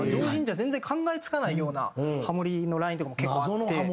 常人じゃ全然考えつかないようなハモリのラインとかも結構あって。